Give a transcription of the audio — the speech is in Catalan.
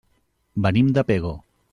Venim de Pego.